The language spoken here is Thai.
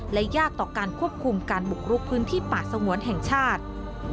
และยากต่อการควบคุมการบุกลุกพื้นที่ป่าสงวนแห่งชาติ